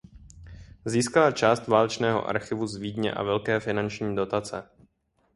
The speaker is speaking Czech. Získala část válečného archivu z Vídně a velké finanční dotace.